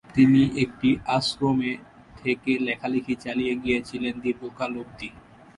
তিনি একটি আশ্রমে থেকে লেখালিখি চালিয়ে গিয়েছিলেন দীর্ঘকাল অবধি।